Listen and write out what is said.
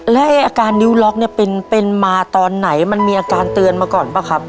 แล้วอาการนิ้วล็อกเนี่ยเป็นมาตอนไหนมันมีอาการเตือนมาก่อนป่ะครับ